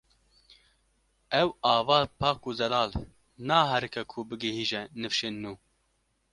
ew ava pak û zelal naherike ku bigihîje nifşên nû